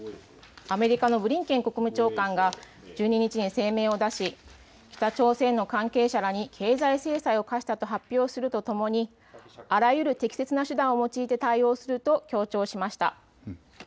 アメリカのブリンケン国務長官が１２日に声明を出し北朝鮮の関係者らに経済制裁を科したと発表するとともにあらゆる適切な手段を用いて対応すると強調しました。